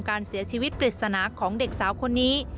การเสียชีวิตปริศนาของเด็กสาวคนนี้